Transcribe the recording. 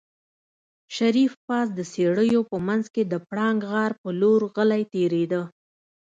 شريف پاس د څېړيو په منځ کې د پړانګ غار په لور غلی تېرېده.